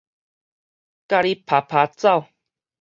佮你拋拋走